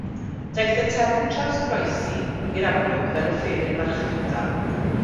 Daeth y term “trawsgroesi” i'r amlwg fel offeryn marchnata.